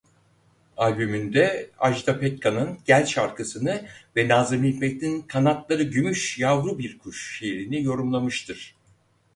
Albümünde Ajda Pekkan'ın "Gel" şarkısını ve Nâzım Hikmet'in "Kanatları Gümüş Yavru Bir Kuş" şiirini yorumlamıştır.